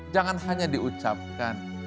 jangan hanya diucapkan